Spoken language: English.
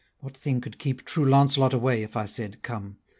What thing could keep true Launcelot away If I said, Come?